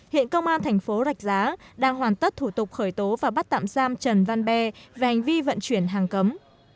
hiện công an thành phố rạch giá đang hoàn tất thủ tục khởi tố và bắt tạm giam trần văn be về hành vi vận chuyển hàng cấm